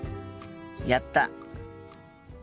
やった。